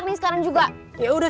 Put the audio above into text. boleh nangga udah